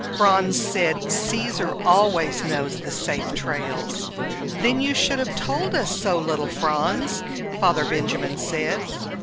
Franz said, "Caesar always knows the safe trails." "Then you should have told us so, little Franz," Father Benjamin said.